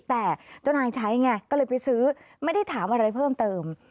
แต่เจ้านายใช้ไงก็เลยไปซื้อไม่ได้ถามอะไรเพิ่มเติม